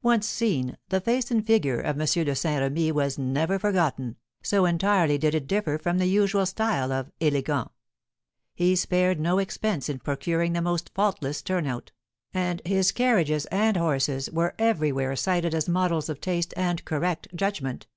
Once seen, the face and figure of M. de Saint Remy was never forgotten, so entirely did it differ from the usual style of élégants. He spared no expense in procuring the most faultless turnout, and his carriages and horses were everywhere cited as models of taste and correct judgment.